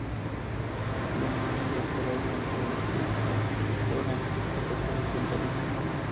Tiene un doctorado en teología moral por el Instituto Católico de París.